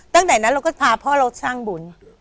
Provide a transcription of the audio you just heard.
ตั้งแต่นั้นเราก็พาพ่อเราสร้างบุญ